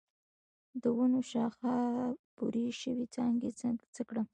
د ونو شاخه بري شوي څانګې څه کړم؟